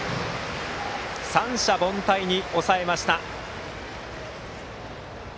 三者凡退に抑えました。